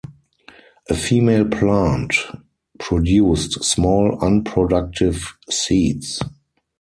A female plant produced small unproductive seeds.